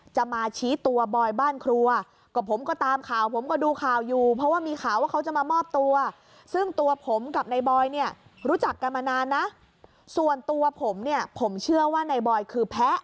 จะมาชี้ตัวบอยบ้านครัวกับผมก็ตามข่าวผมก็ดูข่าวอยู่